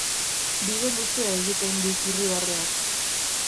Bide luzea egiten dik irribarreak.